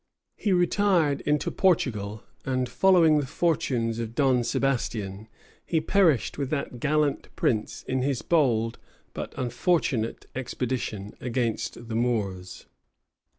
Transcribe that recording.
354 He retired into Portugal; and following the fortunes of Don Sebastian, he perished with that gallant prince in his bold but unfortunate expedition against the Moors.